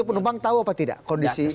itu penumpang tahu apa tidak